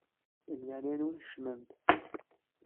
Di leɛnaya-nwen kecmem-d.